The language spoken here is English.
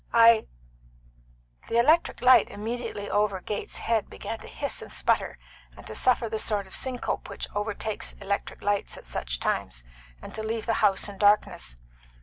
I " The electric light immediately over Gates's head began to hiss and sputter, and to suffer the sort of syncope which overtakes electric lights at such times, and to leave the house in darkness.